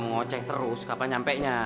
nungguin terus kapan nyampe